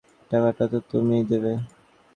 টাকাটা তো তুমিই দেবে।